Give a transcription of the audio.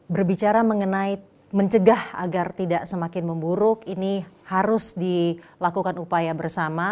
berbicara mengenai mencegah agar tidak semakin memburuk ini harus dilakukan upaya bersama